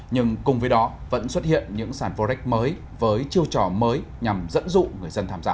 nhưng cùng với đó vẫn xuất hiện những sản forex mới với chiêu trò mới nhằm dẫn dụ người dân tham gia